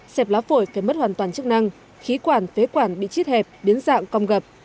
xẹp lá phổi phải mất hoàn toàn chức năng khí quản phế quản bị chít hẹp biến dạng cong